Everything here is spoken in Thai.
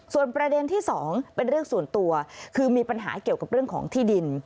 ส่วนประเด็นที่สองเป็นเรื่องส่วนตัวคือมีปัญหาเกี่ยวกับเรื่องของที่ดิน